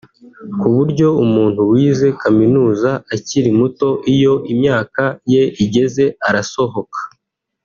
ku buryo umuntu wize kaminuza akiri muto iyo imyaka ye igeze arasohoka